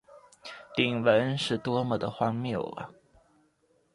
鼎文是多么地荒谬啊！